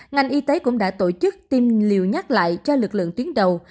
ngành y tế cũng đã tổ chức tiêm liều nhắc lại cho lực lượng tuyến đầu